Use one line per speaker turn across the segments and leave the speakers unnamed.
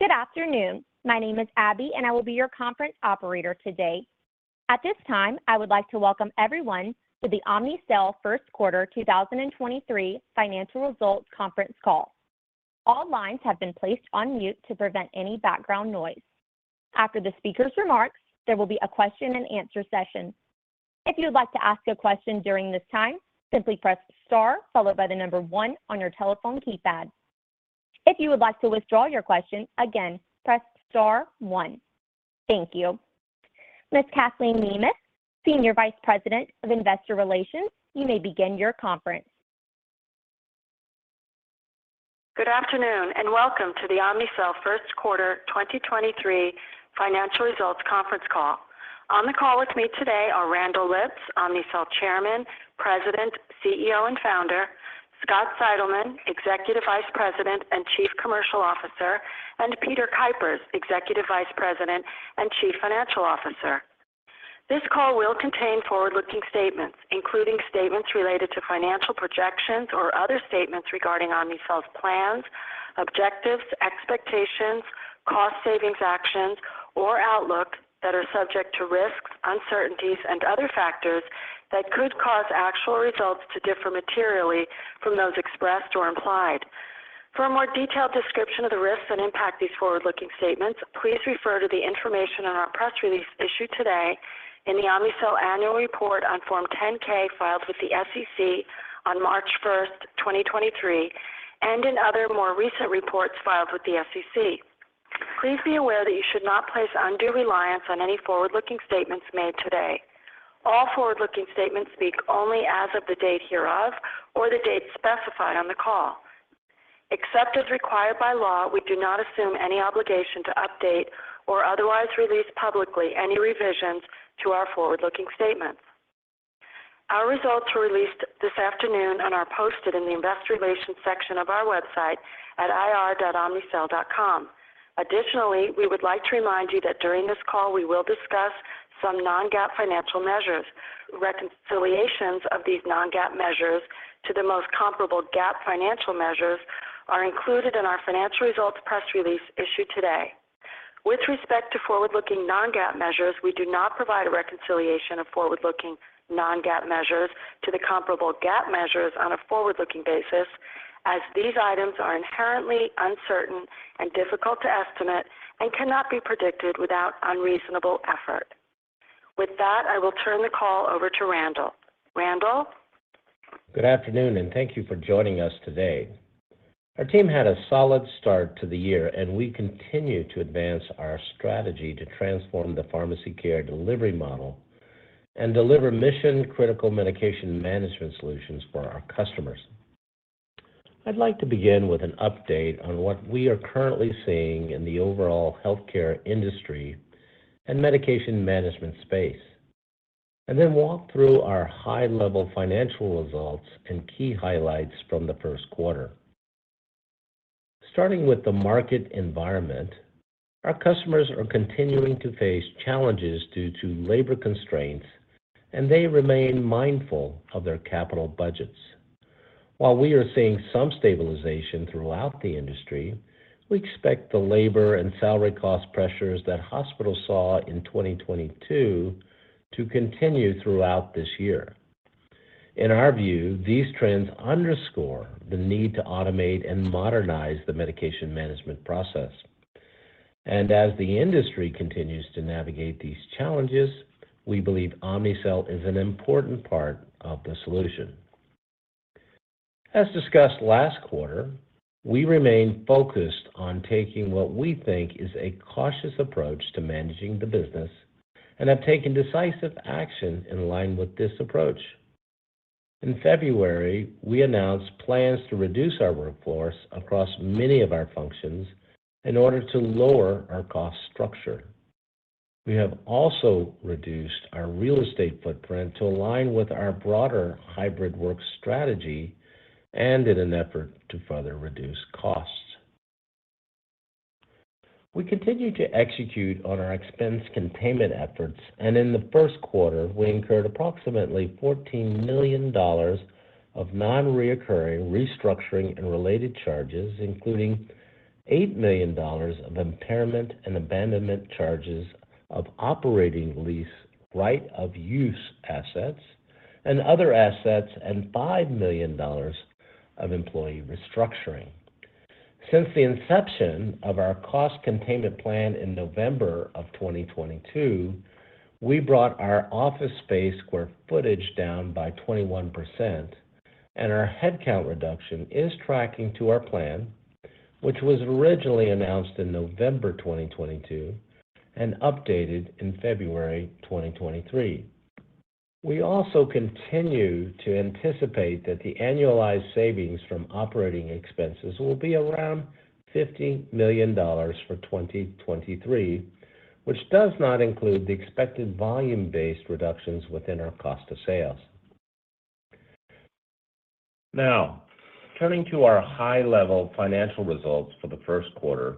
Good afternoon. My name is Abby, and I will be your conference operator today. At this time, I would like to welcome everyone to the Omnicell Q1 2023 Financial Results Conference Call. All lines have been placed on mute to prevent any background noise. After the speaker's remarks, there will be a Q&A session. If you would like to ask a question during this time, simply press star followed by the number 1 on your telephone keypad. If you would like to withdraw your question, again, press star 1. Thank you. Ms. Kathleen Nemeth, Senior Vice President of Investor Relations, you may begin your conference.
Good afternoon, and welcome to the Omnicell Q1 2023 Financial Results Conference Call. On the call with me today are Randall Lipps, Omnicell Chairman, President, CEO, and Founder, Scott Seidelmann, Executive Vice President and Chief Commercial Officer, and Peter Kuipers, Executive Vice President and Chief Financial Officer. This call will contain forward-looking statements, including statements related to financial projections or other statements regarding Omnicell's plans, objectives, expectations, cost savings actions, or outlook that are subject to risks, uncertainties and other factors that could cause actual results to differ materially from those expressed or implied. For a more detailed description of the risks and impact these forward-looking statements, please refer to the information on our press release issued today in the Omnicell annual report on Form 10-K filed with the SEC on March 1, 2023, and in other more recent reports filed with the SEC. Please be aware that you should not place undue reliance on any forward-looking statements made today. All forward-looking statements speak only as of the date hereof or the date specified on the call. Except as required by law, we do not assume any obligation to update or otherwise release publicly any revisions to our forward-looking statements. Our results were released this afternoon and are posted in the Investor Relations section of our website at ir.omnicell.com. Additionally, we would like to remind you that during this call, we will discuss some non-GAAP financial measures. Reconciliations of these non-GAAP measures to the most comparable GAAP financial measures are included in our financial results press release issued today. With respect to forward-looking non-GAAP measures, we do not provide a reconciliation of forward-looking non-GAAP measures to the comparable GAAP measures on a forward-looking basis, as these items are inherently uncertain and difficult to estimate and cannot be predicted without unreasonable effort. With that, I will turn the call over to Randall. Randall.
Good afternoon. Thank you for joining us today. Our team had a solid start to the year. We continue to advance our strategy to transform the pharmacy care delivery model and deliver mission-critical medication management solutions for our customers. I'd like to begin with an update on what we are currently seeing in the overall healthcare industry and medication management space. Walk through our high-level financial results and key highlights from the Q1. Starting with the market environment, our customers are continuing to face challenges due to labor constraints. They remain mindful of their capital budgets. While we are seeing some stabilization throughout the industry, we expect the labor and salary cost pressures that hospitals saw in 2022 to continue throughout this year. In our view, these trends underscore the need to automate and modernize the medication management process. As the industry continues to navigate these challenges, we believe Omnicell is an important part of the solution. As discussed last quarter, we remain focused on taking what we think is a cautious approach to managing the business and have taken decisive action in line with this approach. In February, we announced plans to reduce our workforce across many of our functions in order to lower our cost structure. We have also reduced our real estate footprint to align with our broader hybrid work strategy and in an effort to further reduce costs. We continue to execute on our expense containment efforts, and in the Q1, we incurred approximately $14 million of non-recurring restructuring and related charges, including $8 million of impairment and abandonment charges of operating lease right-of-use assets and other assets, and $5 million of employee restructuring. Since the inception of our cost containment plan in November 2022, we brought our office space square footage down by 21%, Our headcount reduction is tracking to our plan, which was originally announced in November 2022 and updated in February 2023. We also continue to anticipate that the annualized savings from operating expenses will be around $50 million for 2023, which does not include the expected volume-based reductions within our cost of sales. Turning to our high-level financial results for the Q1.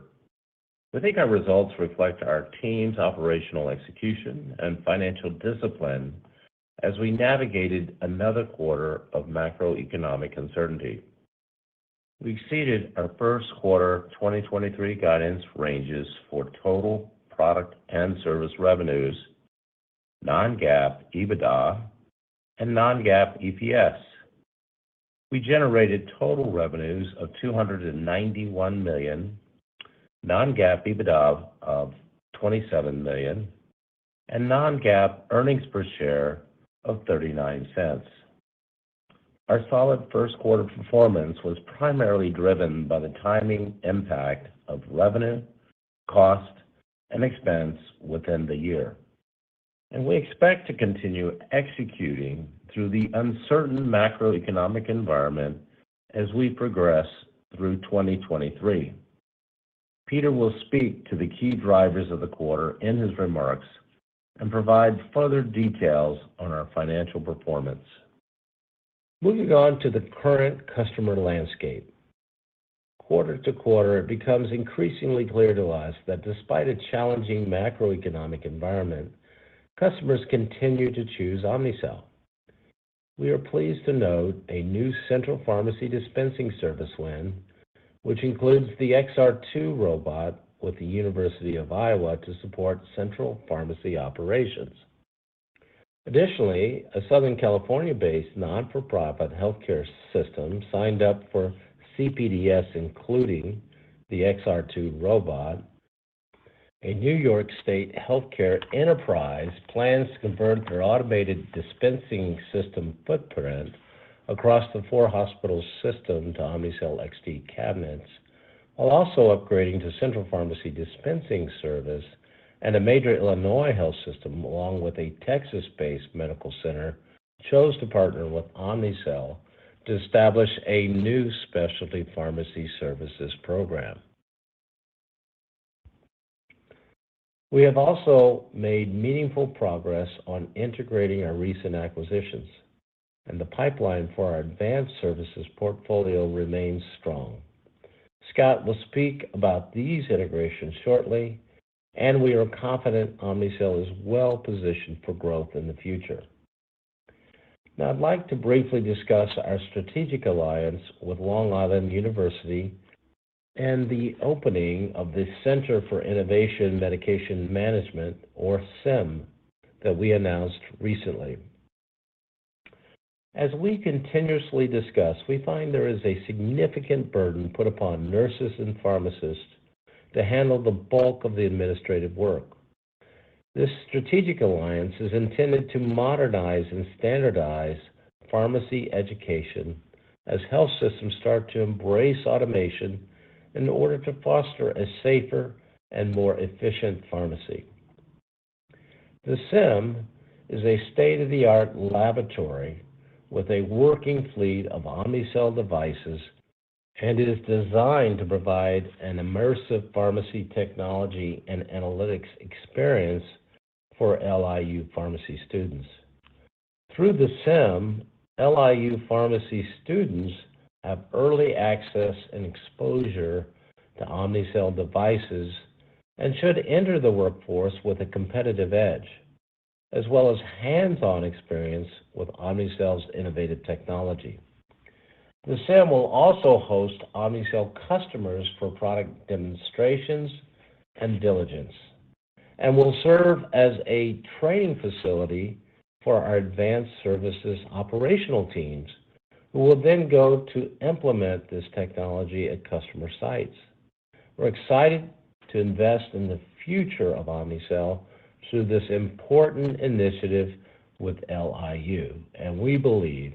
i think our results reflect our team's operational execution and financial discipline as we navigated another quarter of macroeconomic uncertainty. We exceeded our Q1 2023 guidance ranges for total product and service revenues, non-GAAP, EBITDA, and non-GAAP EPS. We generated total revenues of $291 million, non-GAAP EBITDA of $27 million, and non-GAAP earnings per share of $0.39. Our solid Q1 performance was primarily driven by the timing, impact of revenue, cost, and expense within the year. We expect to continue executing through the uncertain macroeconomic environment as we progress through 2023. Peter will speak to the key drivers of the quarter in his remarks and provide further details on our financial performance. Moving on to the current customer landscape. Quarter to quarter, it becomes increasingly clear to us that despite a challenging macroeconomic environment, customers continue to choose Omnicell. We are pleased to note a new Central Pharmacy Dispensing Service win, which includes the XR2 Robot with the University of Iowa to support central pharmacy operations. Additionally, a Southern California-based not-for-profit healthcare system signed up for CPDS, including the XR2 Robot. A New York state healthcare enterprise plans to convert their automated dispensing system footprint across the 4 hospital system to Omnicell XT cabinets, while also upgrading to Central Pharmacy Dispensing Service, and a major Illinois health system, along with a Texas-based medical center, chose to partner with Omnicell to establish a new Specialty Pharmacy Services program. We have also made meaningful progress on integrating our recent acquisitions. The pipeline for our advanced services portfolio remains strong. Scott will speak about these integrations shortly. We are confident Omnicell is well positioned for growth in the future. I'd like to briefly discuss our strategic alliance with Long Island University and the opening of the Center for Medication Management Innovation, or CIMM, that we announced recently. As we continuously discuss, we find there is a significant burden put upon nurses and pharmacists to handle the bulk of the administrative work. This strategic alliance is intended to modernize and standardize pharmacy education as health systems start to embrace automation in order to foster a safer and more efficient pharmacy. The CIMM is a state-of-the-art laboratory with a working fleet of Omnicell devices, and it is designed to provide an immersive pharmacy technology and analytics experience for LIU pharmacy students. Through the CIMM, LIU pharmacy students have early access and exposure to Omnicell devices and should enter the workforce with a competitive edge, as well as hands-on experience with Omnicell's innovative technology. The CIMM will also host Omnicell customers for product demonstrations and diligence and will serve as a training facility for our advanced services operational teams who will then go to implement this technology at customer sites. We're excited to invest in the future of Omnicell through this important initiative with LIU, and we believe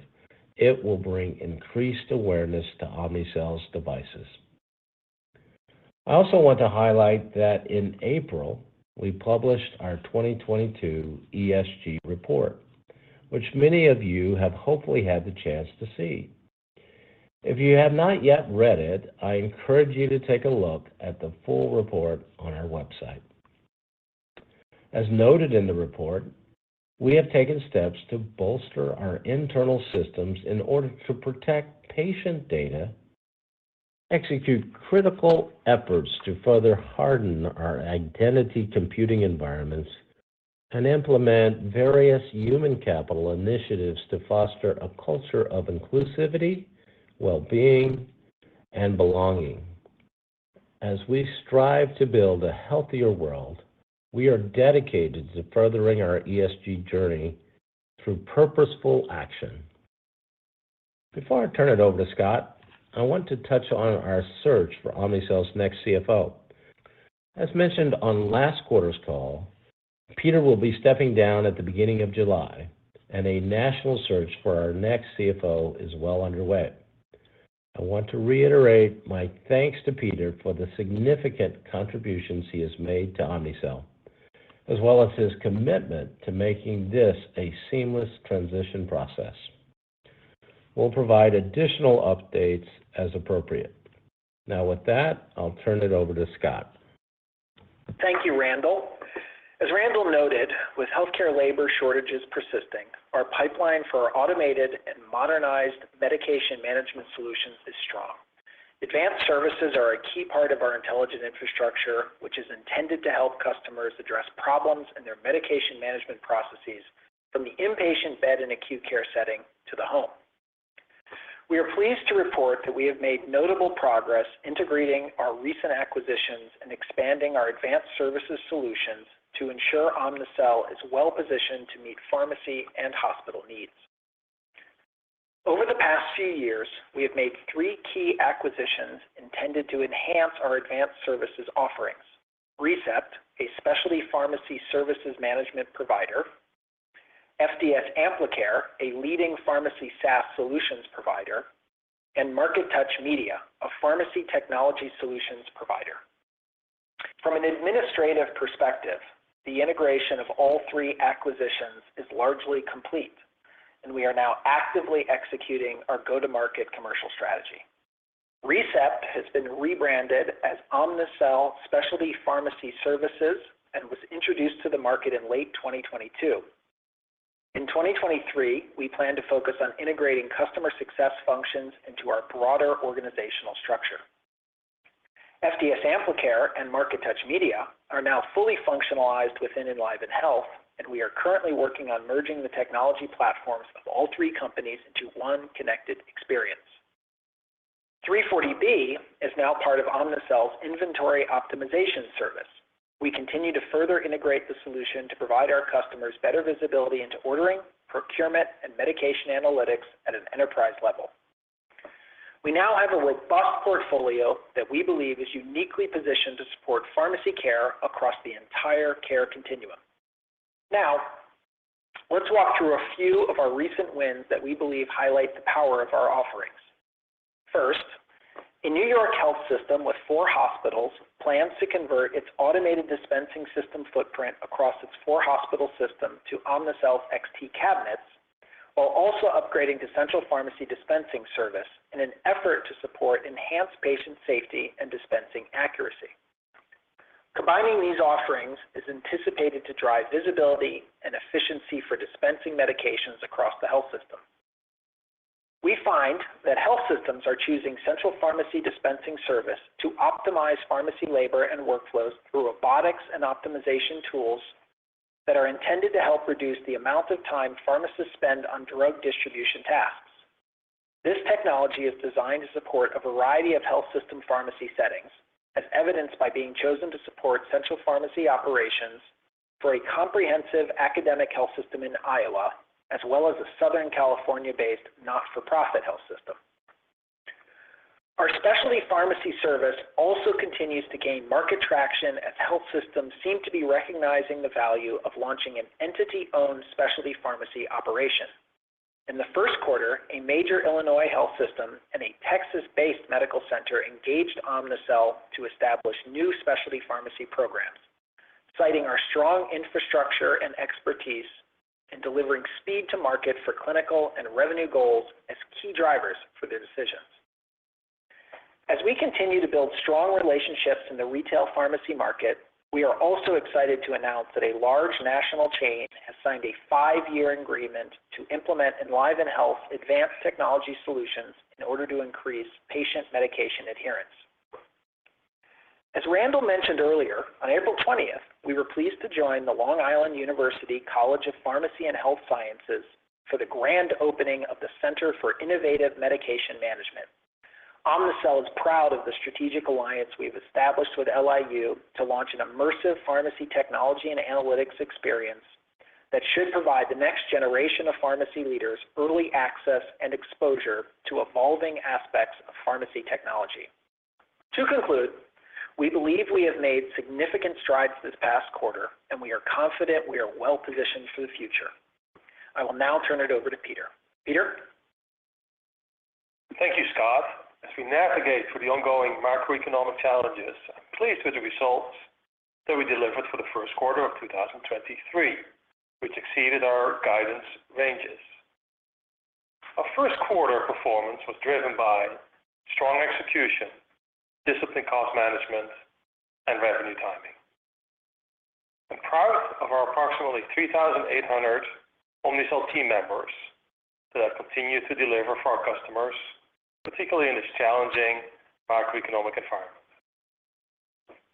it will bring increased awareness to Omnicell's devices. I also want to highlight that in April, we published our 2022 ESG report, which many of you have hopefully had the chance to see. If you have not yet read it, I encourage you to take a look at the full report on our website. As noted in the report, we have taken steps to bolster our internal systems in order to protect patient data, execute critical efforts to further harden our identity computing environments, and implement various human capital initiatives to foster a culture of inclusivity, well-being, and belonging. As we strive to build a healthier world, we are dedicated to furthering our ESG journey through purposeful action. Before I turn it over to Scott, I want to touch on our search for Omnicell's next CFO. As mentioned on last quarter's call, Peter will be stepping down at the beginning of July, and a national search for our next CFO is well underway. I want to reiterate my thanks to Peter for the significant contributions he has made to Omnicell, as well as his commitment to making this a seamless transition process. We'll provide additional updates as appropriate. Now, with that, I'll turn it over to Scott.
Thank you, Randall.
As Randall noted, with healthcare labor shortages persisting, our pipeline for our automated and modernized medication management solutions is strong. Advanced services are a key part of our intelligent infrastructure, which is intended to help customers address problems in their medication management processes from the inpatient bed and acute care setting to the home. We are pleased to report that we have made notable progress integrating our recent acquisitions and expanding our advanced services solutions to ensure Omnicell is well positioned to meet pharmacy and hospital needs. Over the past few years, we have made 3 key acquisitions intended to enhance our advanced services offerings. ReCept, a Specialty Pharmacy Services management provider, FDS Amplicare, a leading pharmacy SaaS solutions provider, and MarkeTouch Media, a pharmacy technology solutions provider. From an administrative perspective, the integration of all 3 acquisitions is largely complete, and we are now actively executing our go-to-market commercial strategy. ReCept has been rebranded as Omnicell Specialty Pharmacy Services and was introduced to the market in late 2022. In 2023, we plan to focus on integrating customer success functions into our broader organizational structure. FDS Amplicare and MarkeTouch Media are now fully functionalized within EnlivenHealth, and we are currently working on merging the technology platforms of all 3 companies into one connected experience. 340B is now part of Omnicell's Inventory Optimization Service. We continue to further integrate the solution to provide our customers better visibility into ordering, procurement, and medication analytics at an enterprise level. We now have a robust portfolio that we believe is uniquely positioned to support pharmacy care across the entire care continuum. Let's walk through a few of our recent wins that we believe highlight the power of our offerings. First, a New York health system with 4 hospitals plans to convert its automated dispensing system footprint across its 4 hospital system to Omnicell XT cabinets while also upgrading to Central Pharmacy Dispensing Service in an effort to support enhanced patient safety and dispensing accuracy. Combining these offerings is anticipated to drive visibility and efficiency for dispensing medications across the health system. We find that health systems are choosing Central Pharmacy Dispensing Service to optimize pharmacy labor and workflows through robotics and optimization tools that are intended to help reduce the amount of time pharmacists spend on drug distribution tasks. This technology is designed to support a variety of health system pharmacy settings, as evidenced by being chosen to support central pharmacy operations for a comprehensive academic health system in Iowa, as well as a Southern California-based not-for-profit health system. Our specialty pharmacy service also continues to gain market traction as health systems seem to be recognizing the value of launching an entity-owned specialty pharmacy operation. In the Q1, a major Illinois health system and a Texas-based medical center engaged Omnicell to establish new specialty pharmacy programs, citing our strong infrastructure and expertise in delivering speed to market for clinical and revenue goals as key drivers for their decisions. As we continue to build strong relationships in the retail pharmacy market, we are also excited to announce that a large national chain has signed a 5-year agreement to implement EnlivenHealth advanced technology solutions in order to increase patient medication adherence. As Randall mentioned earlier, on April 20th, we were pleased to join the Long Island University College of Pharmacy and Health Sciences for the grand opening of the Center for Innovative Medication Management. Omnicell is proud of the strategic alliance we've established with LIU to launch an immersive pharmacy technology and analytics experience that should provide the next generation of pharmacy leaders early access and exposure to evolving aspects of pharmacy technology. To conclude, we believe we have made significant strides this past quarter, and we are confident we are well-positioned for the future. I will now turn it over to Peter. Peter?
Thank you, Scott. As we navigate through the ongoing macroeconomic challenges, I'm pleased with the results that we delivered for the Q1 of 2023, which exceeded our guidance ranges. Our Q1 performance was driven by strong execution, disciplined cost management, and revenue timing. I'm proud of our approximately 3,800 Omnicell team members that have continued to deliver for our customers, particularly in this challenging macroeconomic environment.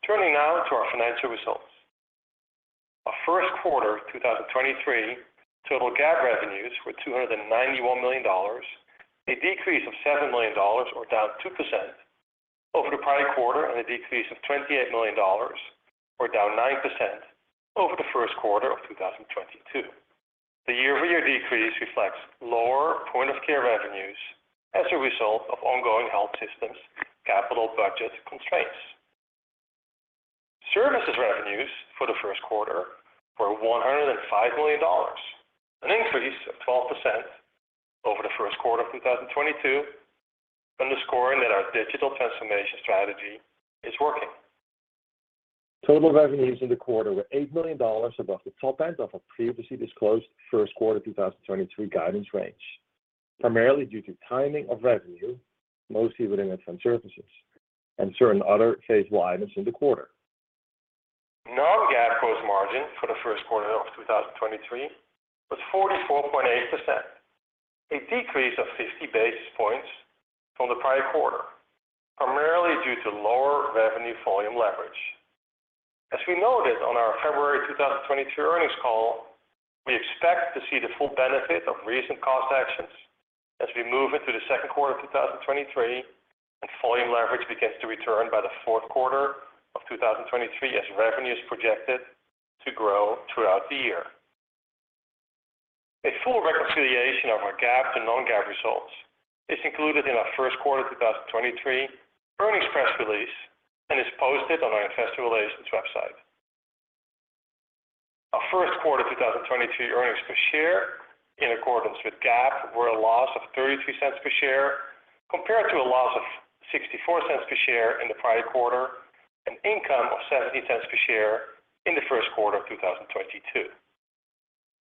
Turning now to our financial results. Our Q1 2023 total GAAP revenues were $291 million, a decrease of $7 million or down 2% over the prior quarter and a decrease of $28 million or down 9% over the Q1 of 2022. The year-over-year decrease reflects lower point-of-care revenues as a result of ongoing health systems capital budget constraints. Services revenues for the Q1 were $105 million, an increase of 12% over the Q1 of 2022, underscoring that our digital transformation strategy is working. Total revenues in the quarter were $8 million above the top end of our previously disclosed Q1 2023 guidance range. Primarily due to timing of revenue, mostly within its own services, and certain other case line within the quarter. Non-GAAP gross margin for the Q1 of 2023 was 44.8%, a decrease of 50 basis points from the prior quarter, primarily due to lower revenue volume leverage. As we noted on our February 2022 earnings call, we expect to see the full benefit of recent cost actions as we move into the Q2 of 2023 and volume leverage begins to return by the Q4 of 2023 as revenue is projected to grow throughout the year. A full reconciliation of our GAAP to non-GAAP results is included in our Q1 2023 earnings press release and is posted on our Investor Relations website. Our Q1 2022 earnings per share in accordance with GAAP were a loss of $0.33 per share compared to a loss of $0.64 per share in the prior quarter and income of $0.70 per share in the Q1 of 2022.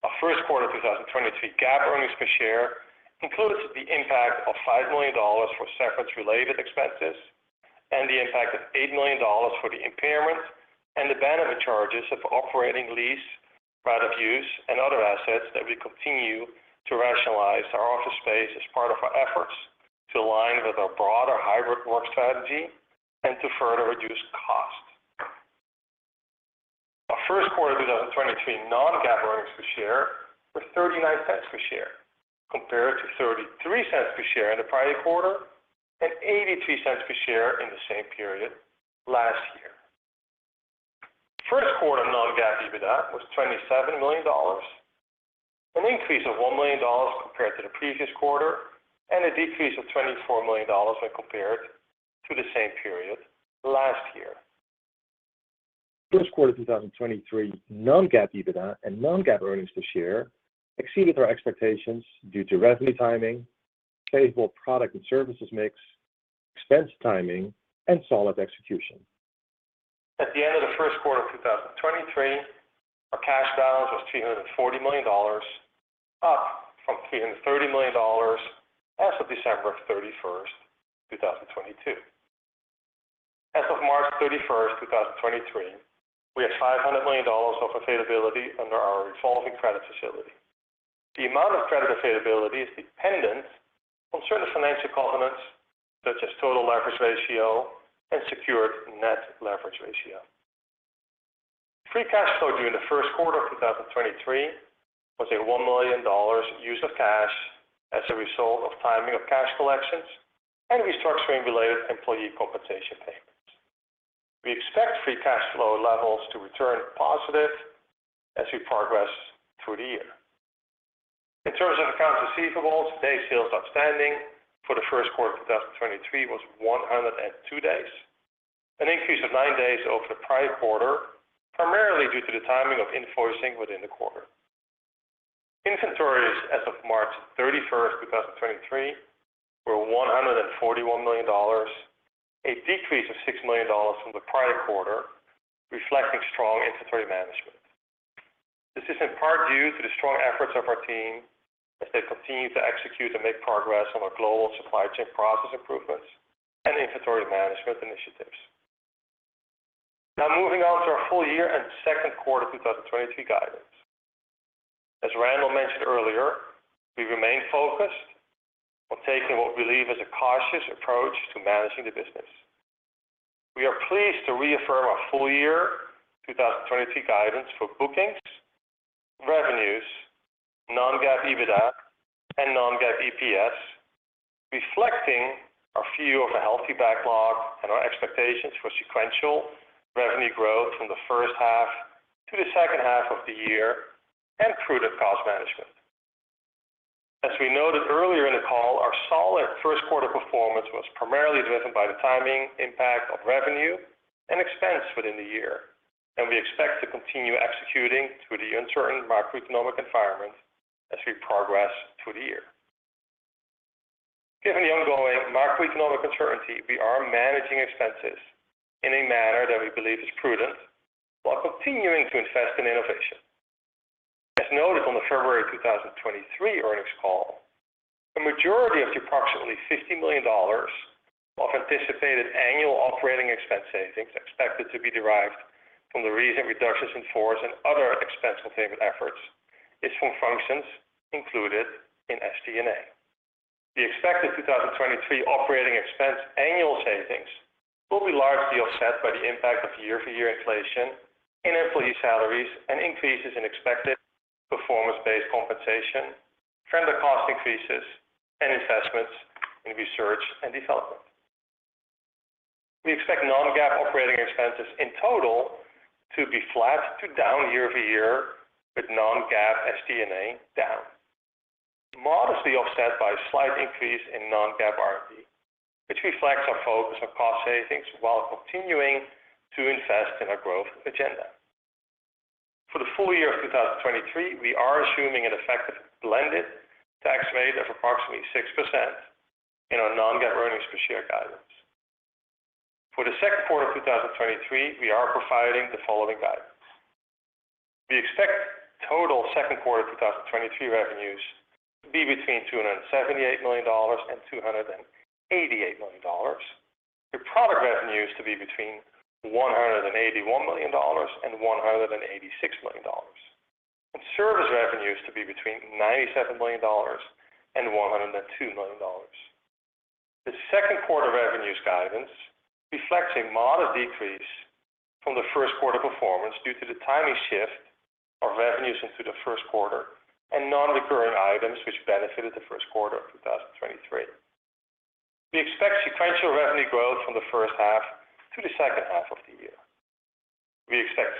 Our Q1 2022 GAAP earnings per share included the impact of $5 million for severance-related expenses and the impact of $8 million for the impairment and the benefit charges of operating lease, right-of-use and other assets that we continue to rationalize our office space as part of our efforts to align with our broader hybrid work strategy and to further reduce cost. Our Q1 2023 non-GAAP earnings per share were $0.39 per share, compared to $0.33 per share in the prior quarter and $0.83 per share in the same period last year. Q1 non-GAAP EBITDA was $27 million, an increase of $1 million compared to the previous quarter and a decrease of $24 million when compared to the same period last year. Q1 2023 non-GAAP EBITDA and non-GAAP earnings per share exceeded our expectations due to revenue timing, favorable product and services mix, expense timing and solid execution. At the end of the Q1 of 2023, our cash balance was $240 million, up from $330 million as of December 31st, 2022. As of March 31st, 2023, we have $500 million of availability under our revolving credit facility. The amount of credit availability is dependent on certain financial covenants such as total leverage ratio and secured net leverage ratio. Free cash flow during the Q1 of 2023 was a $1 million use of cash as a result of timing of cash collections and restructuring related employee compensation payments. We expect free cash flow levels to return positive as we progress through the year. In terms of accounts receivables, day sales outstanding for the Q1 of 2023 was 102 days, an increase of 9 days over the prior quarter, primarily due to the timing of invoicing within the quarter. Inventories as of March 31st, 2023 were $141 million, a decrease of $6 million from the prior quarter, reflecting strong inventory management. This is in part due to the strong efforts of our team as they continue to execute and make progress on our global supply chain process improvements and inventory management initiatives. Moving on to our full year and Q2 2023 guidance. As Randall mentioned earlier, we remain focused on taking what we believe is a cautious approach to managing the business. We are pleased to reaffirm our full year 2023 guidance for bookings, revenues, non-GAAP EBITDA and non-GAAP EPS, reflecting our view of a healthy backlog and our expectations for sequential revenue growth from the H1 to the H2 of the year and prudent cost management. As we noted earlier in the call, our solid Q1 performance was primarily driven by the timing impact of revenue and expense within the year. We expect to continue executing through the uncertain macroeconomic environment as we progress through the year. Given the ongoing macroeconomic uncertainty, we are managing expenses in a manner that we believe is prudent while continuing to invest in innovation. As noted on the February 2023 earnings call, the majority of the approximately $50 million of anticipated annual operating expense savings expected to be derived from the recent reductions in force and other expense containment efforts is from functions included in SG&A. The expected 2023 operating expense annual savings will be largely offset by the impact of year-over-year inflation in employee salaries and increases in expected performance-based compensation, trend of cost increases, and investments in research and development. We expect non-GAAP operating expenses in total to be flat to down year-over-year, with non-GAAP SG&A down, modestly offset by a slight increase in non-GAAP R&D, which reflects our focus on cost savings while continuing to invest in our growth agenda. For the full year of 2023, we are assuming an effective blended tax rate of approximately 6% in our non-GAAP earnings per share guidance. We are providing the following guidance. We expect total Q2 2023 revenues to be between $278 million and $288 million. The product revenues to be between $181 million and $186 million. Service revenues to be between $97 million and $102 million. The Q2 revenues guidance reflects a moderate decrease from the Q1 performance due to the timing shift of revenues into the Q1 and non-recurring items which benefited the Q1 of 2023. We expect sequential revenue growth from the H1 to the H2 of the year. We expect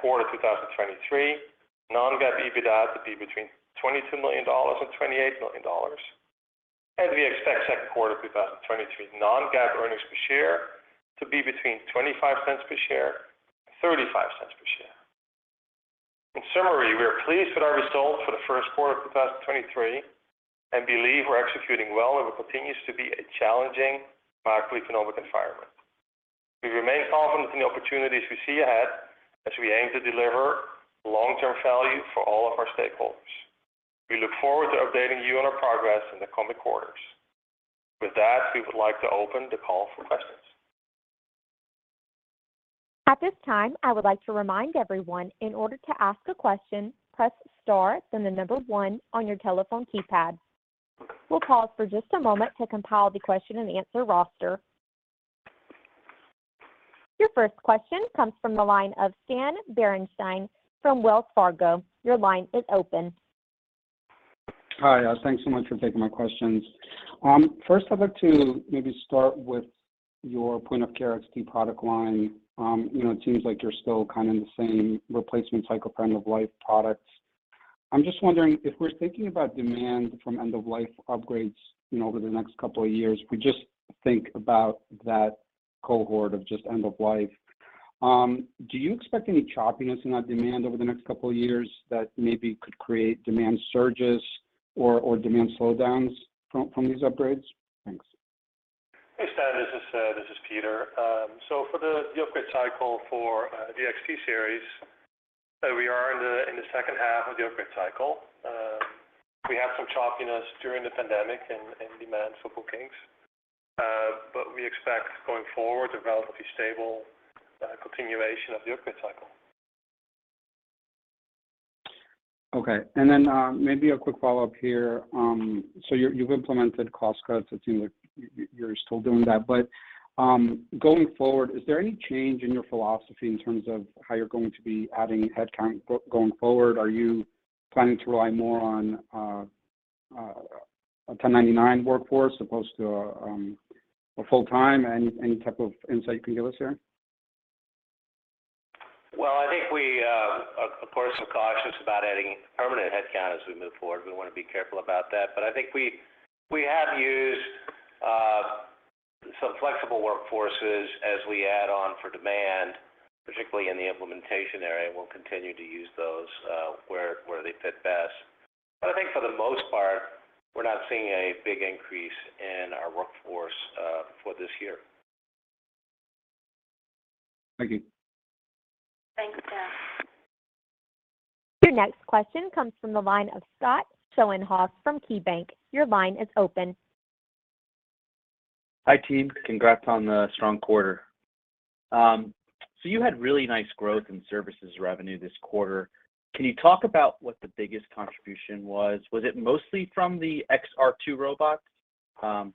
Q2 2023 non-GAAP EBITDA to be between $22 million and $28 million. We expect Q2 2023 non-GAAP earnings per share to be between $0.25 per share and $0.35 per share. In summary, we are pleased with our results for the Q1 of 2023 and believe we're executing well over what continues to be a challenging macroeconomic environment. We remain confident in the opportunities we see ahead as we aim to deliver long-term value for all of our stakeholders. We look forward to updating you on our progress in the coming quarters. With that, we would like to open the call for questions.
At this time, I would like to remind everyone, in order to ask a question, press star, then the number one on your telephone keypad. We'll pause for just a moment to compile the Q&A roster. Your first question comes from the line of Stan Berenshteyn from Wells Fargo. Your line is open.
Hi. Thanks so much for taking my questions. First I'd like to maybe start with your point-of-care XT product line. You know, it seems like you're still kind of in the same replacement cycle end of life products. I'm just wondering if we're thinking about demand from end of life upgrades, you know, over the next couple of years, we just think about that cohort of just end of life. Do you expect any choppiness in that demand over the next couple of years that maybe could create demand surges or demand slowdowns from these upgrades? Thanks.
Hey, Stan, this is Peter. For the XT series, we are in the H2 of the upgrade cycle. We had some choppiness during the pandemic in demand for bookings, but we expect going forward a relatively stable continuation of the upgrade cycle.
Okay. Maybe a quick follow-up here. You've implemented cost cuts. It seems like you're still doing that. Going forward, is there any change in your philosophy in terms of how you're going to be adding headcount going forward? Are you planning to rely more on a 1099 workforce as opposed to a full-time? Any type of insight you can give us there?
Well, I think we, of course, are cautious about adding permanent headcount as we move forward. We wanna be careful about that. I think we have used some flexible workforces as we add on for demand, particularly in the implementation area, and we'll continue to use those where they fit best. I think for the most part, we're not seeing a big increase in our workforce for this year.
Thank you.
Thanks, Stan. Your next question comes from the line of Scott Schoenhaus from KeyBanc. Your line is open.
Hi, team. Congrats on the strong quarter. You had really nice growth in services revenue this quarter. Can you talk about what the biggest contribution was? Was it mostly from the XR2 robot?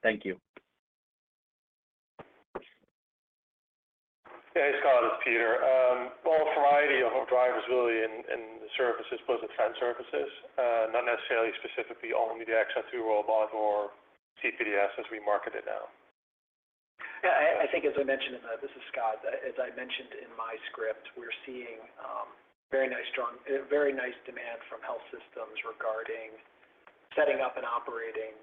Thank you.
Yeah. Hey, Scott, it's Peter. well, a variety of drivers really in the services, both the trend services, not necessarily specifically only the XR2 robot or CPDS as we market it now.
Yeah. I think as I mentioned in the... This is Scott. As I mentioned in my script, we're seeing very nice demand from health systems regarding setting up and operating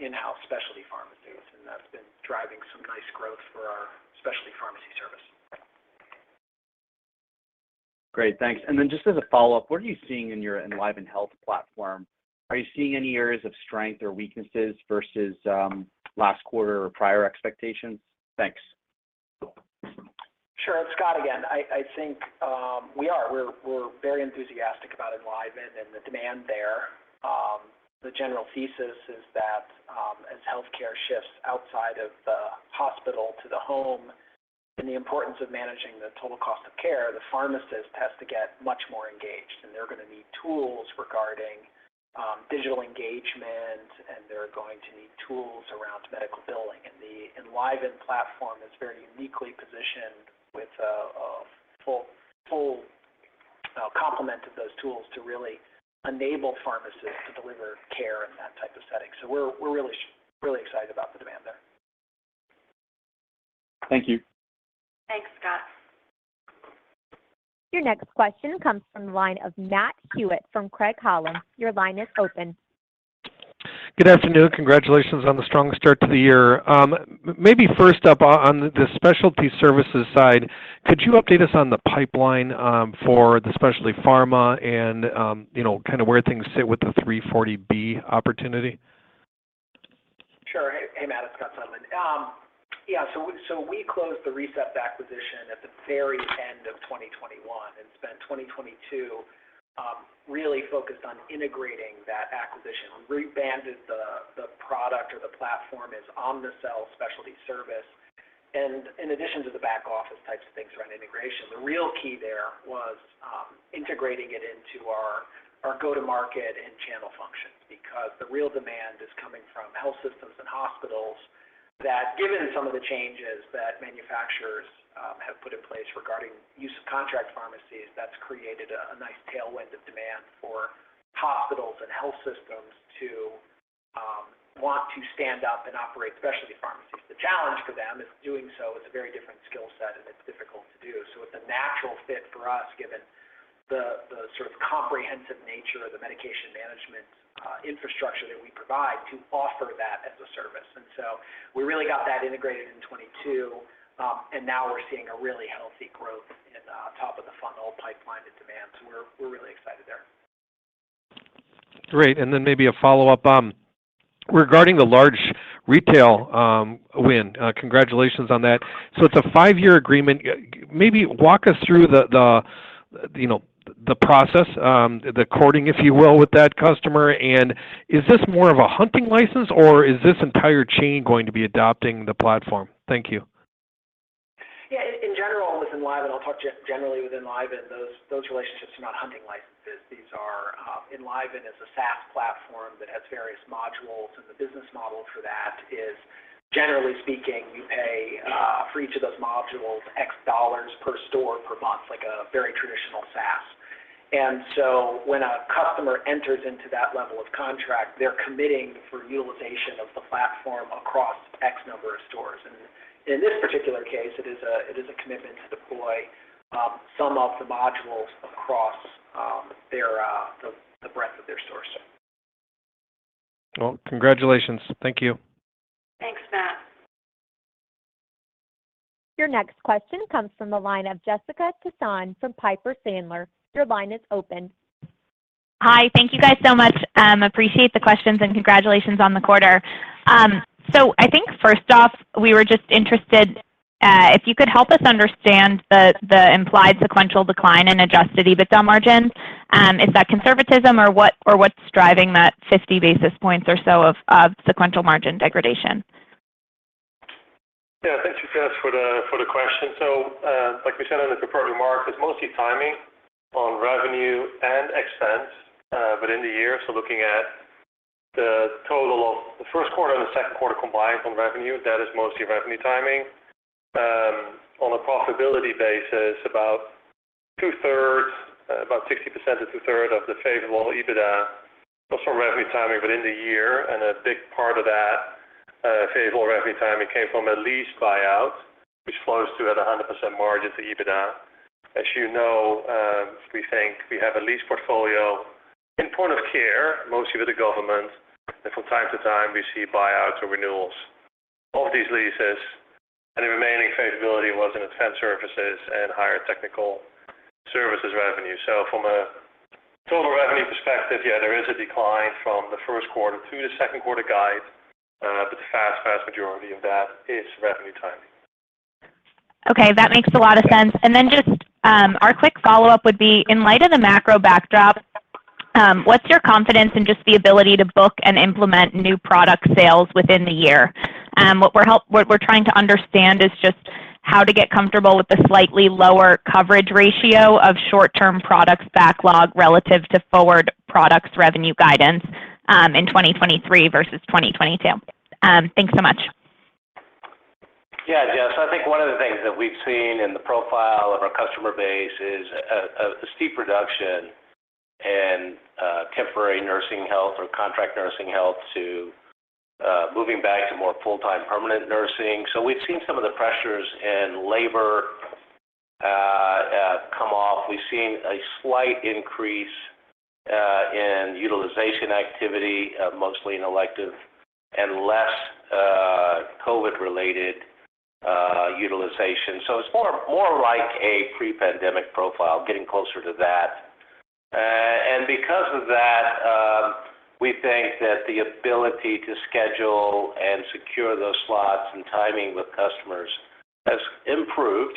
in-house specialty pharmacies, and that's been driving some nice growth for our specialty pharmacy service.
Great. Thanks. Then just as a follow-up, what are you seeing in your EnlivenHealth platform? Are you seeing any areas of strength or weaknesses versus, last quarter or prior expectations? Thanks.
Sure. It's Scott again. I think we're very enthusiastic about Enliven and the demand there. The general thesis is that as healthcare shifts outside of the hospital to the home and the importance of managing the total cost of care, the pharmacist has to get much more engaged, and they're gonna need tools regarding digital engagement, and they're going to need tools around medical billing. The Enliven platform is very uniquely positioned with a full complement of those tools to really enable pharmacists to deliver care in that type of setting. We're really excited about the demand there.
Thank you.
Thanks, Scott. Your next question comes from the line of Matt Hewitt from Craig-Hallum. Your line is open.
Good afternoon. Congratulations on the strong start to the year. Maybe first up on the specialty services side, could you update us on the pipeline, for the specialty pharma and, you know, kind of where things sit with the 340B opportunity?
Hey, Matt, it's Scott Seidelmann. Yeah, so we, so we closed the ReCept acquisition at the very end of 2021 and spent 2022 really focused on integrating that acquisition. Rebranded the product or the platform as Omnicell Specialty Pharmacy Services. In addition to the back-office types of things around integration, the real key there was integrating it into our go-to-market and channel functions. The real demand is coming from health systems and hospitals that given some of the changes that manufacturers have put in place regarding use of contract pharmacies, that's created a nice tailwind of demand for hospitals and health systems to want to stand up and operate specialty pharmacies. The challenge for them is doing so with a very different skill set, and it's difficult to do. It's a natural fit for us, given the sort of comprehensive nature of the medication management infrastructure that we provide to offer that as a service. We really got that integrated in 2022, and now we're seeing a really healthy growth in the top of the funnel pipeline and demand. We're really excited there.
Great. Maybe a follow-up, regarding the large retail win. Congratulations on that. It's a 5-year agreement. Maybe walk us through the, you know, the process, the courting, if you will, with that customer. Is this more of a hunting license, or is this entire chain going to be adopting the platform? Thank you.
Yeah. In general with Enliven, I'll talk generally with Enliven, those relationships are not hunting licenses. These are. Enliven is a SaaS platform that has various modules, and the business model for that is, generally speaking, you pay for each of those modules X dollars per store per month, like a very traditional SaaS. When a customer enters into that level of contract, they're committing for utilization of the platform across X number of stores. In this particular case, it is a commitment to deploy some of the modules across their the breadth of their sourcing.
Well, congratulations. Thank you.
Thanks, Matt.
Your next question comes from the line of Jessica Tassan from Piper Sandler. Your line is open.
Hi. Thank you guys so much. appreciate the questions, and congratulations on the quarter. I think first off, we were just interested, if you could help us understand the implied sequential decline in adjusted EBITDA margin. Is that conservatism or what, or what's driving that 50 basis points or so of sequential margin degradation?
Thanks, Jessica, for the question. Like we said on the prepared remarks, it's mostly timing on revenue and expense, but in the year. Looking at the total of the Q1 and the Q2 combined on revenue, that is mostly revenue timing. On a profitability basis, about 2/3, about 60% to 2/3 of the favorable EBITDA was from revenue timing within the year. A big part of that favorable revenue timing came from a lease buyout, which flows through at a 100% margin to EBITDA. As you know, we think we have a lease portfolio in point-of-care, mostly with the government, and from time to time, we see buyouts or renewals of these leases, and the remaining favorability was in expense services and higher technical services revenue. From a total revenue perspective, yeah, there is a decline from the Q1 to the Q2 guide, but the vast majority of that is revenue timing.
Okay. That makes a lot of sense. Then just, our quick follow-up would be, in light of the macro backdrop, what's your confidence in just the ability to book and implement new product sales within the year? What we're trying to understand is just how to get comfortable with the slightly lower coverage ratio of short-term products backlog relative to forward products revenue guidance, in 2023 versus 2022. Thanks so much.
Yeah, Jess. I think one of the things that we've seen in the profile of our customer base is a steep reduction in temporary nursing health or contract nursing health to moving back to more full-time permanent nursing. We've seen some of the pressures in labor come off. We've seen a slight increase in utilization activity, mostly in elective and less COVID-related utilization. It's more like a pre-pandemic profile, getting closer to that. And because of that, we think that the ability to schedule and secure those slots and timing with customers has improved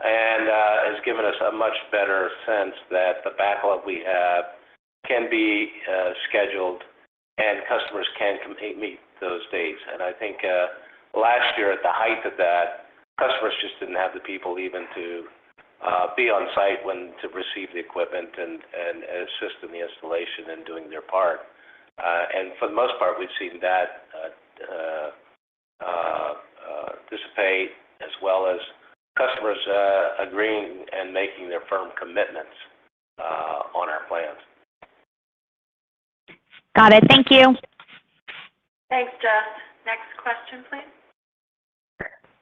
and has given us a much better sense that the backlog we have can be scheduled and customers can meet those dates. I think, last year at the height of that, customers just didn't have the people even to be on site when to receive the equipment and assist in the installation and doing their part. For the most part, we've seen that dissipate as well as customers agreeing and making their firm commitments on our plans.
Got it. Thank you.
Thanks, Jess. Next question, please.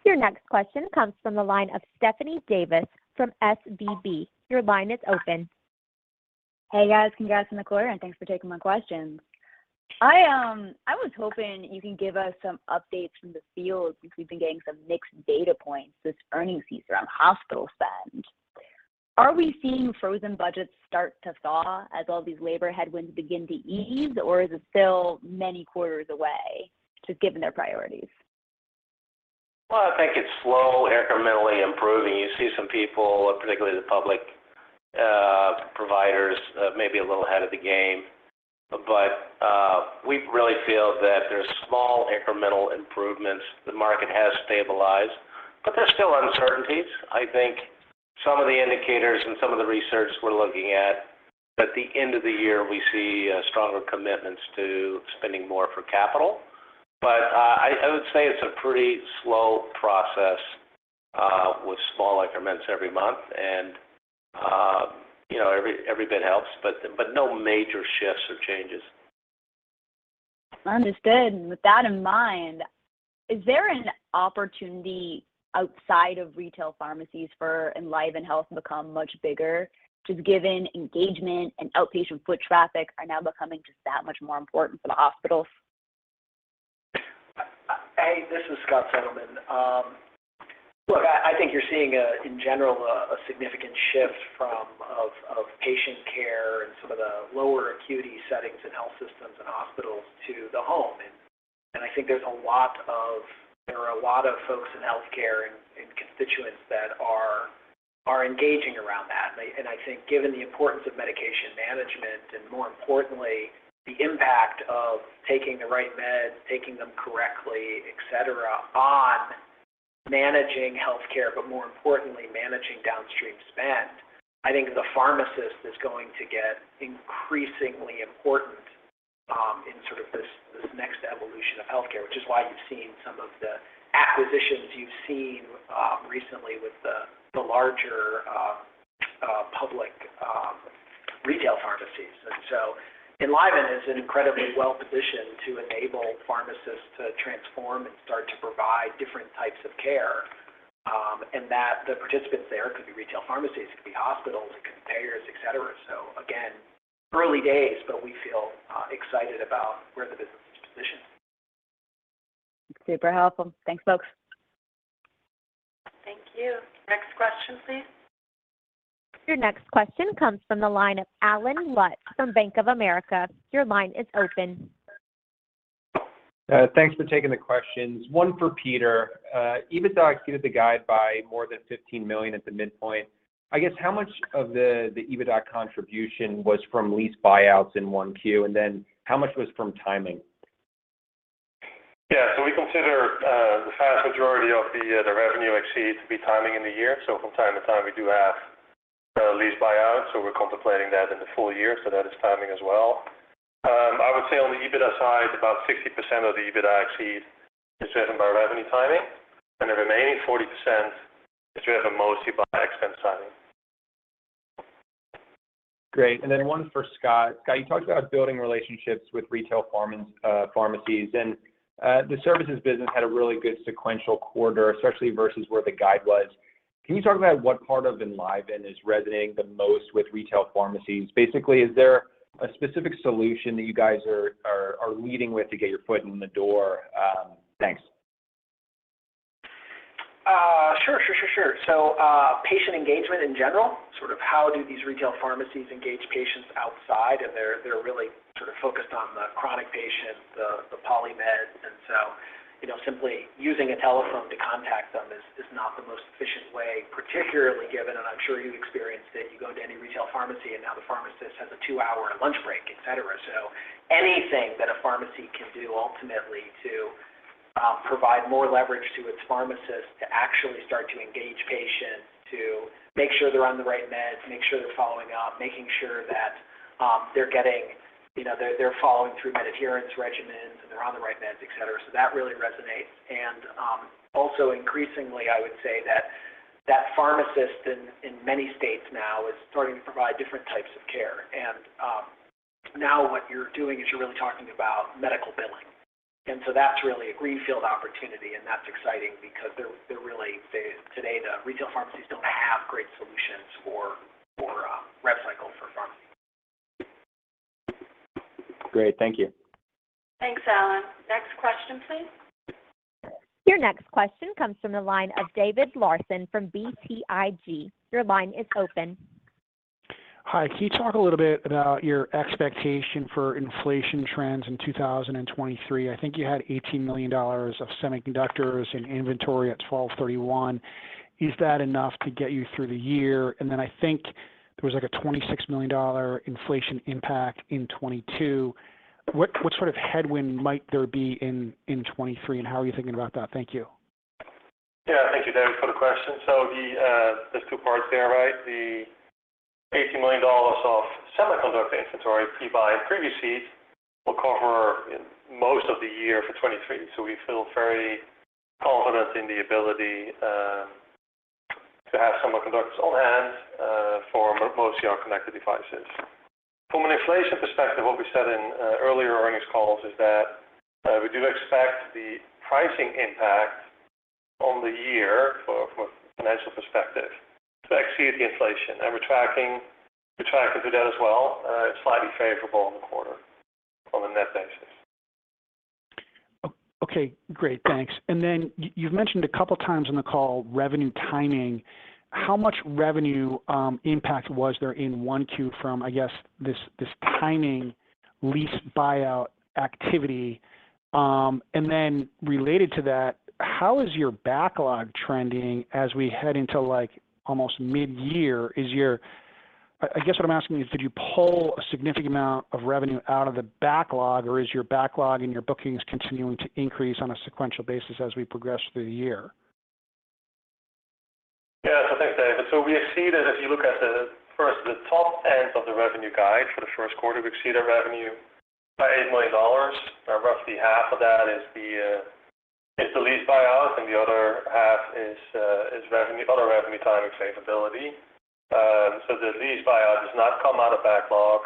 Your next question comes from the line of Stephanie Davis from SVB. Your line is open.
Hey, guys. Congrats on the quarter, and thanks for taking my questions. I was hoping you can give us some updates from the field since we've been getting some mixed data points this earnings season on hospital spend. Are we seeing frozen budgets start to thaw as all these labor headwinds begin to ease, or is it still many quarters away just given their priorities?
I think it's slow incrementally improving. You see some people, particularly the public, providers, may be a little ahead of the game. We really feel that there's small incremental improvements. The market has stabilized, but there's still uncertainties. I think some of the indicators and some of the research we're looking at the end of the year, we see, stronger commitments to spending more for capital. I would say it's a pretty slow process, with small increments every month. You know, every bit helps, but no major shifts or changes.
Understood. With that in mind, is there an opportunity outside of retail pharmacies for EnlivenHealth to become much bigger, just given engagement and outpatient foot traffic are now becoming just that much more important for the hospitals?
Hey, this is Scott Seidelmann. Look, I think you're seeing, in general, a significant shift from of patient care and some of the lower acuity settings in health systems and hospitals to the home. I think there are a lot of folks in healthcare and constituents that are engaging around that. I think given the importance of medication management, and more importantly, the impact of taking the right meds, taking them correctly, et cetera, on managing healthcare, but more importantly, managing downstream spend, I think the pharmacist is going to get increasingly important, in sort of this next evolution of healthcare, which is why you've seen some of the acquisitions you've seen recently with the larger public retail pharmacies. Enliven is incredibly well-positioned to enable pharmacists to transform and start to provide different types of care, and that the participants there could be retail pharmacies, it could be hospitals, it could be payers, et cetera. Again, early days, but we feel excited about where the business is positioned.
Super helpful. Thanks, folks.
Thank you. Next question, please. Your next question comes from the line of Allen Lutz from Bank of America. Your line is open.
Thanks for taking the questions. One for Peter. EBITDA exceeded the guide by more than $15 million at the midpoint. I guess how much of the EBITDA contribution was from lease buyouts in 1Q? How much was from timing?
Yeah. We consider the vast majority of the revenue exceed to be timing in the year. From time to time, we do have lease buyouts, so we're contemplating that in the full year, so that is timing as well. I would say on the EBITDA side, about 60% of the EBITDA exceed is driven by revenue timing, and the remaining 40% is driven mostly by expense timing.
Great. Then one for Scott. Scott, you talked about building relationships with retail pharmacies, and the services business had a really good sequential quarter, especially versus where the guide was. Can you talk about what part of Enliven is resonating the most with retail pharmacies? Basically, is there a specific solution that you guys are leading with to get your foot in the door? Thanks.
Sure, sure, sure. Patient engagement in general, sort of how do these retail pharmacies engage patients outside, and they're really sort of focused on the chronic patient, the polymeds. You know, simply using a telephone to contact them is not the most efficient way, particularly given, and I'm sure you've experienced it, you go to any retail pharmacy, and now the pharmacist has a 2-hour lunch break, et cetera. Anything that a pharmacy can do ultimately to provide more leverage to its pharmacist to actually start to engage patients, to make sure they're on the right meds, make sure they're following up, making sure that, you know, they're following through adherence regimens, and they're on the right meds, et cetera. That really resonates. Also increasingly, I would say that that pharmacist in many states now is starting to provide different types of care. Now what you're doing is you're really talking about medical billing. That's really a greenfield opportunity, and that's exciting because they today, the retail pharmacies don't have great solutions for rev cycle for pharmacy.
Great. Thank you.
Thanks, Alan. Next question, please. Your next question comes from the line of David Larsen from BTIG. Your line is open.
Hi. Can you talk a little bit about your expectation for inflation trends in 2023? I think you had $18 million of semiconductors in inventory at 12/31. Is that enough to get you through the year? I think there was like a $26 million inflation impact in 2022. What sort of headwind might there be in 2023, and how are you thinking about that? Thank you.
Yeah. Thank you, David, for the question. The, there's 2 parts there, right? The $18 million of semiconductor inventory pre-buying previous seeds will cover in most of the year for 2023. We feel very confident in the ability to have semiconductors on hand for most of our connected devices. From an inflation perspective, what we said in earlier earnings calls is that we do expect the pricing impact on the year for financial perspective to exceed the inflation. We're tracking to do that as well. It's slightly favorable on the quarter on a net basis.
Okay, great. Thanks. You've mentioned a couple times on the call revenue timing. How much revenue impact was there in 1Q from, I guess, this timing lease buyout activity? Related to that, how is your backlog trending as we head into, like, almost mid-year? Is your I guess what I'm asking is, did you pull a significant amount of revenue out of the backlog, or is your backlog and your bookings continuing to increase on a sequential basis as we progress through the year?
Yeah. Thanks, David. We see that if you look at the, first, the top end of the revenue guide for the Q1, we exceeded revenue by $8 million, where roughly half of that is the lease buyout, and the other half is revenue, other revenue timing sustainability. The lease buyout does not come out of backlog.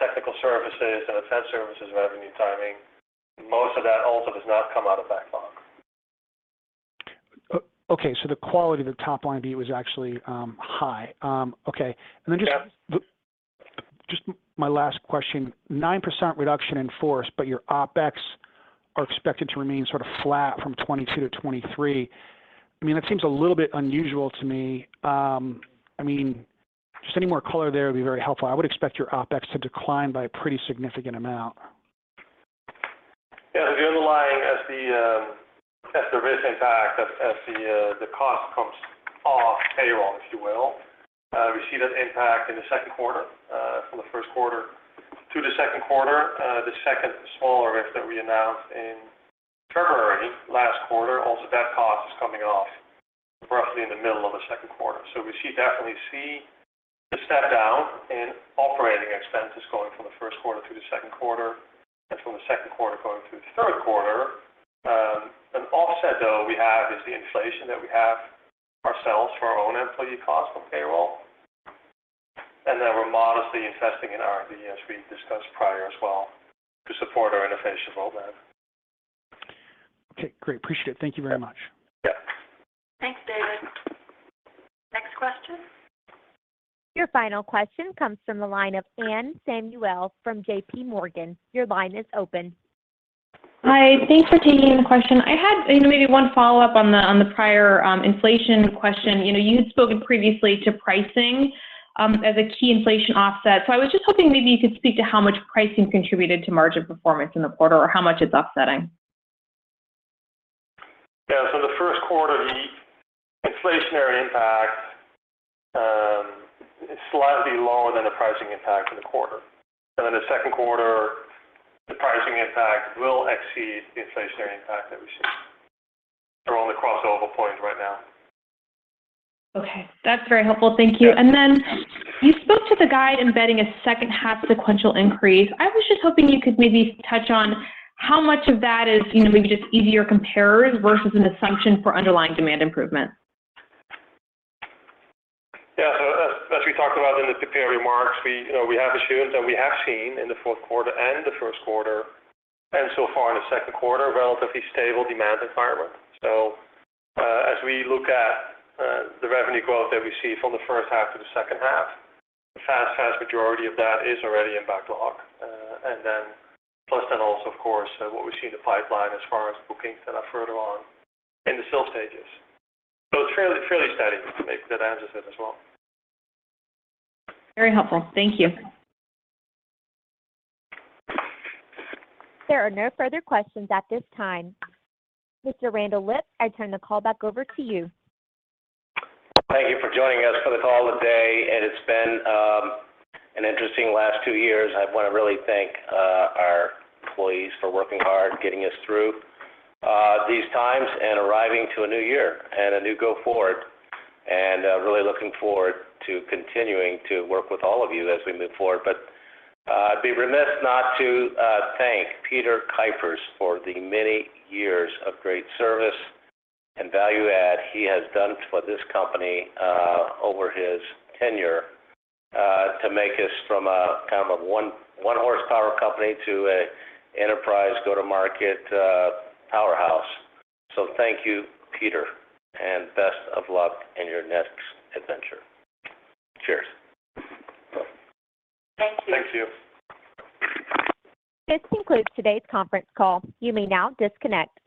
Technical services and asset services revenue timing, most of that also does not come out of backlog.
Okay. The quality of the top line view was actually high. Okay.
Yeah.
Just my last question, 9% reduction in force. Your OpEx are expected to remain sort of flat from 2022 to 2023. I mean, that seems a little bit unusual to me. I mean, just any more color there would be very helpful. I would expect your OpEx to decline by a pretty significant amount.
The underlying as the risk impact, as the cost comes off payroll, if you will, we see that impact in the Q2, from the Q1 to the Q2. The second smaller risk that we announced in February last quarter, also that cost is coming off roughly in the middle of the Q2. We see, definitely see the step down in operating expenses going from the Q1 to the Q2 and from the Q2 going through the third quarter. An offset though we have is the inflation that we have ourselves for our own employee costs on payroll, and then we're modestly investing in R&D, as we discussed prior as well, to support our innovation roadmap.
Okay, great. Appreciate it. Thank you very much.
Yeah.
Thanks, David. Next question.
Your final question comes from the line of Anne Samuel from J.P. Morgan. Your line is open.
Hi. Thanks for taking the question. I had, you know, maybe one follow-up on the, on the prior, inflation question. You know, you had spoken previously to pricing, as a key inflation offset. I was just hoping maybe you could speak to how much pricing contributed to margin performance in the quarter or how much it's offsetting.
Yeah. The Q1, the inflationary impact is slightly lower than the pricing impact in the quarter. The Q2, the pricing impact will exceed the inflationary impact that we see. They're on the crossover point right now.
Okay. That's very helpful. Thank you. You spoke to the guide embedding a H2 sequential increase. I was just hoping you could maybe touch on how much of that is, you know, maybe just easier compares versus an assumption for underlying demand improvement.
As we talked about in the prepared remarks, we, you know, we have assured that we have seen in the Q4 and the Q1 and so far in the Q2, relatively stable demand environment. As we look at the revenue growth that we see from the H1 to the H2, the vast majority of that is already in backlog. Plus also of course, what we see in the pipeline as far as bookings that are further on in the sales stages. It's fairly steady, if that answers it as well.
Very helpful. Thank you.
There are no further questions at this time. Mr. Randall Lipps, I turn the call back over to you.
Thank you for joining us for the call today, it's been an interesting last 2 years. I want to really thank our employees for working hard, getting us through these times and arriving to a new year and a new go forward. Really looking forward to continuing to work with all of you as we move forward. I'd be remiss not to thank Peter Kuipers for the many years of great service and value add he has done for this company over his tenure to make us from a kind of a one horsepower company to an enterprise go-to-market powerhouse. Thank you, Peter, and best of luck in your next adventure. Cheers.
Thank you.
Thank you.
This concludes today's conference call. You may now disconnect.